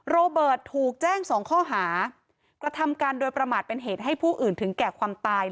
โรเบิร์ตถูกแจ้งสองข้อหากระทำการโดยประมาทเป็นเหตุให้ผู้อื่นถึงแก่ความตาย